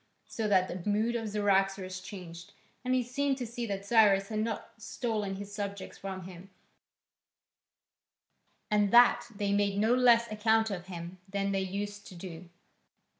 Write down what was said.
So that the mood of Cyaxares changed, and he seemed to see that Cyrus had not stolen his subjects from him, and that they made no less account of him than they used to do.